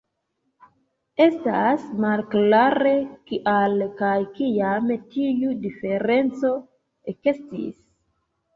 Estas malklare, kial kaj kiam tiu diferenco ekestis.